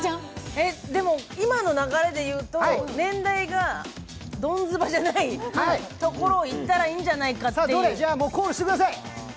今の流れで言うと、年代がドンズバじゃないところをいったらいいんじゃないかという。